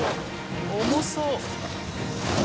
重そう。